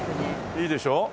いいでしょ？